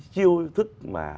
chiêu thức mà